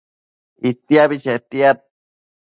Itiabi chetiad